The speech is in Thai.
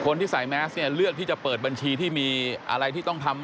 คนที่ใส่แมสเนี่ยเลือกที่จะเปิดบัญชีที่มีอะไรที่ต้องทำ